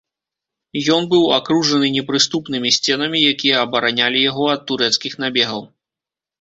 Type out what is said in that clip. Ён быў акружаны непрыступнымі сценамі, якія абаранялі яго ад турэцкіх набегаў.